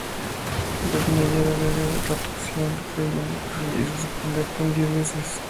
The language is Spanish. Ludmilla bebe la poción, creyendo que su belleza se convertirá en diez veces.